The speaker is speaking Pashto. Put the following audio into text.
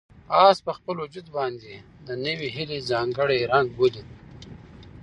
آس په خپل وجود باندې د نوې هیلې ځانګړی رنګ ولید.